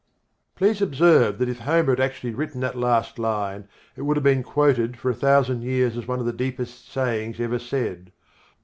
Please observe that if Homer had actually written that last line it would have been quoted for a thousand years as one of the deepest sayings ever said.